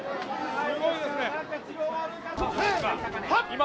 すごいですね。